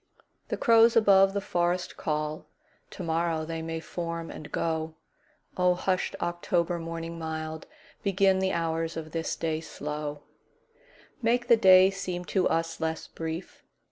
The crows above the forest call; To morrow they may form and go.O hushed October morning mild, Begin the hours of this day slow, Make the day seem to us less brief.